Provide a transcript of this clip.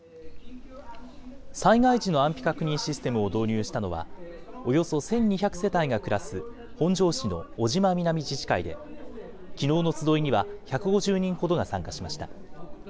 災害時の安否確認システムを導入したのは、およそ１２００世帯が暮らす本庄市の小島南自治会で、きのうの集いには１５０人ほどが参加しました。